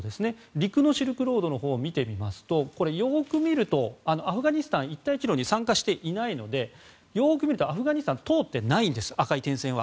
陸のシルクロードのほうを見てみますとよく見ると、アフガニスタンは一帯一路に参加していないのでよく見るとアフガニスタンを通ってないんです、赤い点線は。